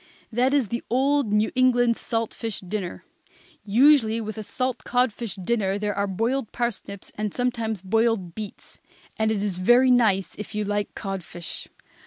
That is the old New England salt fish dinner. Usually, with a salt codfish dinner there were boiled parsnips and sometimes boiled beets; and it is very nice if you like codfish.